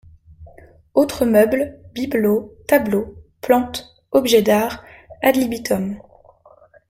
Autres meubles, bibelots, tableaux, plantes, objets d'art ad libitum.